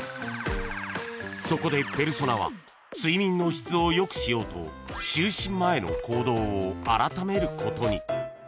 ［そこでペルソナは睡眠の質を良くしようと就寝前の行動を改めることに］